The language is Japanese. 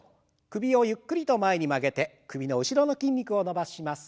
首をゆっくりと前に曲げて首の後ろの筋肉を伸ばします。